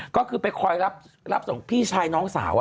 ก็คือไปคอยรับส่งพี่ชายน้องสาว